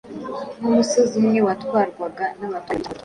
Nk'umusozi umwe watwarwaga n'abatware babiri cyangwa batatu